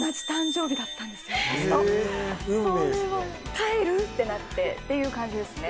「帰る？」ってなってっていう感じですね。